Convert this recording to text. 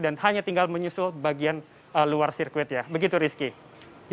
dan hanya tinggal menyusul bagian luar sirkuit begitu rizky